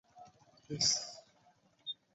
Please.